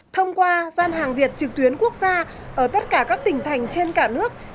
thông qua gian hàng việt trực tuyến quốc gia ở tất cả các tỉnh thành trên cả nước